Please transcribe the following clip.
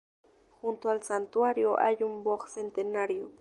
Junto al santuario hay un boj centenario.